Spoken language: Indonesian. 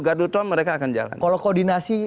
gardu tol mereka akan jalan kalau koordinasi